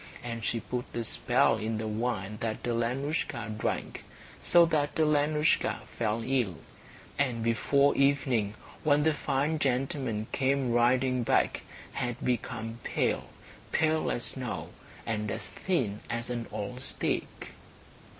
And she put a spell in the wine that Alenoushka drank, so that Alenoushka fell ill, and before evening, when the fine gentleman came riding back, had become pale, pale as snow, and as thin as an old stick.